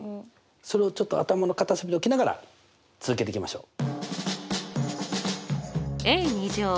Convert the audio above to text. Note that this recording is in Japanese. それをちょっと頭の片隅に置きながら続けていきましょう。